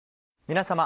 皆様。